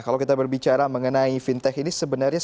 kalau kita berbicara mengenai fintech ini sebenarnya